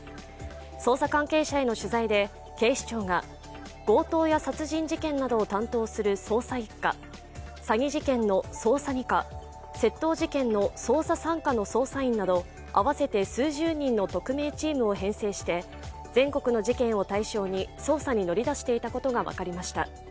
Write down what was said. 捜査関係者への取材で、警視庁が強盗や殺人事件などを担当する捜査一課、詐欺事件の捜査二課、窃盗事件の捜査三課の捜査員など合わせて数十人の特命チームを編成して全国の事件を対象に捜査に乗り出していたことが分かりました。